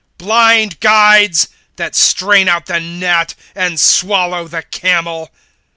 (24)Blind guides! that strain out the gnat, and swallow the camel.